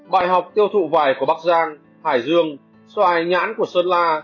bài học tiêu thụ vài của bắc giang hải dương xoài nhãn của sơn la